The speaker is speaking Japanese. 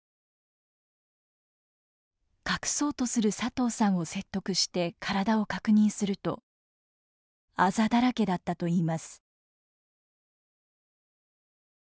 隠そうとする佐藤さんを説得して体を確認するとあざだらけだったといいます。